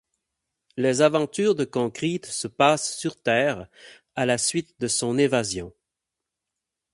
Les aventures de Concrete se passent sur terre, à la suite de son évasion.